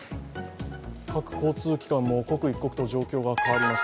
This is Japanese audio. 各交通機関も刻一刻と状況が変わります。